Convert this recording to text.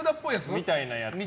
みたいなやつ。